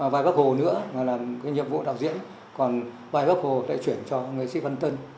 bài bắc hồ nữa là nhiệm vụ đạo diễn còn bài bắc hồ lại chuyển cho nghệ sĩ văn tân